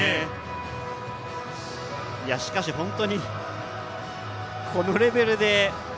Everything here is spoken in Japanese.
しかし本当にこのレベルで。